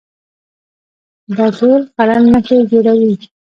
دا ټول خلل نښه جوړوي